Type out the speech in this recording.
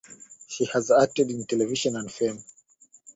She has acted in television and film.